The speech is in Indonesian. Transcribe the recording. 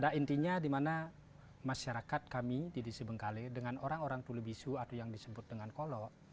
artinya dimana masyarakat kami di desa bengkale dengan orang orang tulibisu atau yang disebut dengan kolok